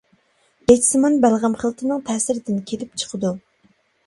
گەجسىمان بەلغەم خىلىتىنىڭ تەسىرىدىن كېلىپ چىقىدۇ.